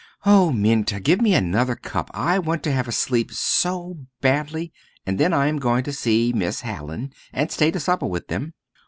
"Oh, Minta, give me another cup. I want to have a sleep so badly, and then I am going to see Miss Hallin, and stay to supper with them."